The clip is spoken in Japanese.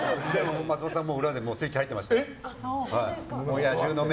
松本さん、裏でもうスイッチ入ってましたよ。